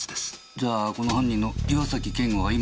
じゃあこの犯人の岩崎健吾は今自由の身。